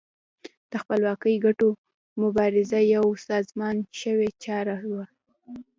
د خپلواکۍ ګټلو مبارزه یوه سازمان شوې چاره وه.